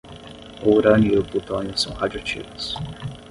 O urânio e o plutônio são radioativos.